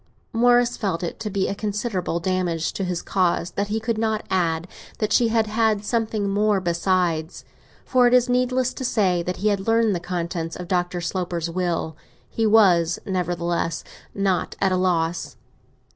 Morris felt it to be a considerable damage to his cause that he could not add that she had had something more besides; for it is needless to say that he had learnt the contents of Dr. Sloper's will. He was nevertheless not at a loss.